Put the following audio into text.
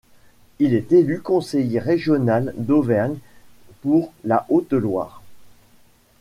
Il est élu conseiller régional d’Auvergne pour la Haute-Loire.